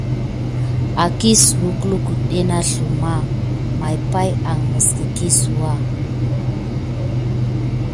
Akisuwək lukuɗɗe na sləma may pay an kəpelsouwa.